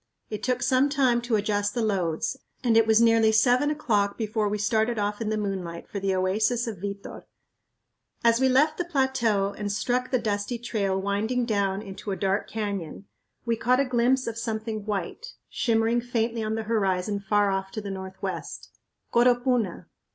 It took some time to adjust the loads, and it was nearly seven o'clock before we started off in the moonlight for the oasis of Vitor. As we left the plateau and struck the dusty trail winding down into a dark canyon we caught a glimpse of something white shimmering faintly on the horizon far off to the northwest; Coropuna!